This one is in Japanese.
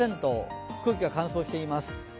空気が乾燥しています。